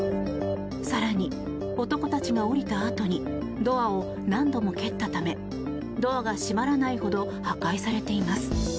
更に、男たちが降りたあとにドアを何度も蹴ったためドアが閉まらないほど破壊されています。